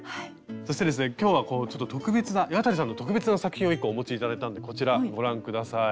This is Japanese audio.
そしてですね今日はちょっと特別な岩谷さんの特別な作品を１個お持ち頂いたんでこちらご覧下さい。